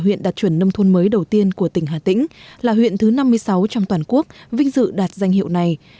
huyện đạt chuẩn nông thôn mới đầu tiên của tỉnh hà tĩnh là huyện thứ năm mươi sáu trong toàn quốc vinh dự đạt danh hiệu này